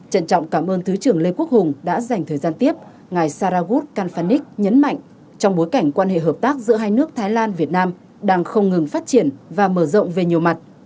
trân trọng cảm ơn thứ trưởng lê quốc hùng đã dành thời gian tiếp ngài saragud kanfanik nhấn mạnh trong bối cảnh quan hệ hợp tác giữa hai nước thái lan việt nam đang không ngừng phát triển và mở rộng về nhiều mặt